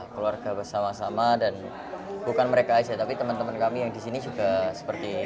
keluarga bersama sama dan bukan mereka saja tapi teman teman kami yang di sini juga seperti